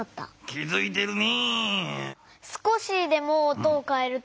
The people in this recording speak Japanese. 気づいてるね！